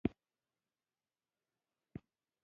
لغت یو ږغیز ترکیب دئ، چي مفهوم په اداء کیږي.